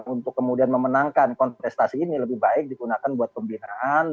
untuk kemudian memenangkan kontestasi ini lebih baik digunakan buat pembinaan